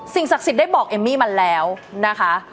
ศักดิ์สิทธิ์ได้บอกเอมมี่มาแล้วนะคะ